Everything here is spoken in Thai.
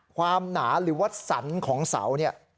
หนาหรือว่าสันของเสาเนี่ย